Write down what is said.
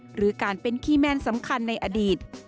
หรือการเป็นคีย์แมนสำคัญในอดีต